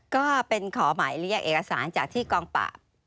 ก็เป็นขอหมายเรียกเอกสารจากที่กองปราบ